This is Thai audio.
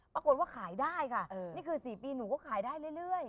ปรากฏว่าขายได้ค่ะนี่คือ๔ปีหนูก็ขายได้เรื่อย